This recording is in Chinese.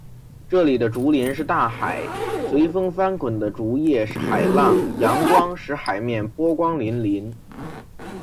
这里的竹林是大海，随风翻滚的竹叶是海浪，阳光使“海面”波光粼粼。